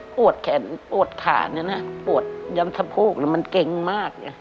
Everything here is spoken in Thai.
ปวดแขนปวดขาปวดยำทะโพกมันเก่งมาก